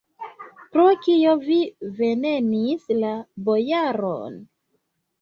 Pro kio vi venenis la bojaron?